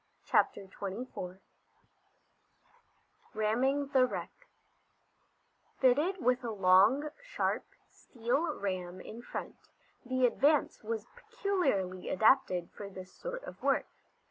Chapter Twenty Four Ramming the Wreck Fitted with a long, sharp steel ram in front, the Advance was peculiarly adapted for this sort of work.